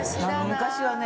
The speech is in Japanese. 昔はね